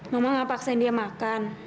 mama gak paksain dia makan